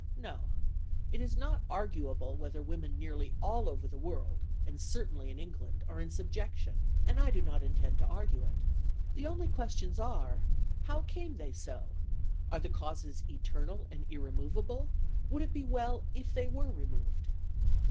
No, it is not arguable whether women nearly all over the world (and certainly in England) are in subjection, and I do not intend to argue it. The only questions are, How came they so? Are the causes eternal and irremovable? Would it be well if they were removed?